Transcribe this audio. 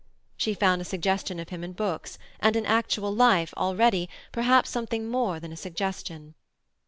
She found a suggestion of him in books; and in actual life, already, perhaps something more than a suggestion.